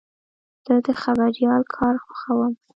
زه د خبریال کار خوښوم.